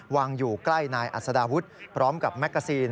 วางอยู่ใกล้นายอัศดาวุฒิพร้อมกับแมกกาซีน